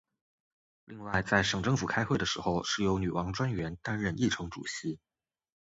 另外在省政府开会的时候是由女王专员担任议程主席。